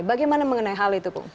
bagaimana mengenai hal itu